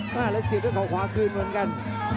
หน้าลิสุนิดเดียวเขาขวาคืนเหมือนกัน